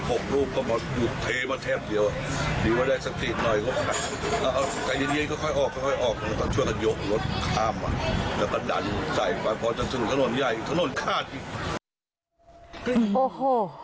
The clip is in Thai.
พอจะถึงถนนใหญ่ถนนข้าดอีก